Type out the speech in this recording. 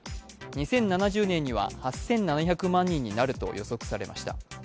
２０７０年には８７００万人になると予測されました。